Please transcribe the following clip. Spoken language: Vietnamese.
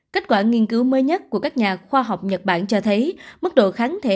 kết quả nghiên cứu mới nhất của các nhà khoa học nhật bản cho thấy mức độ kháng thể